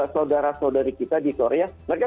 saudara saudari kita di korea mereka